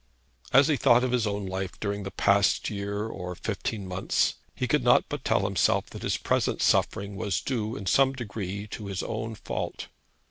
As he thought of his own life during the past year or fifteen months, he could not but tell himself that his present suffering was due in some degree to his own fault.